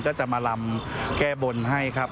ก็จะมาลำแก้บนให้ครับ